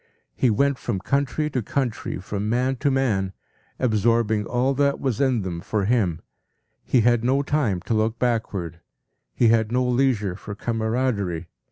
He went from country to country, from man to man, absorbing all that was in them for him. He had no time to look backward. He had no leisure for camaraderie.